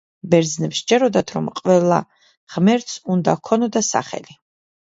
ბერძნებს სჯეროდათ, რომ ყველა ღმერთს უნდა ჰქონოდა სახლი.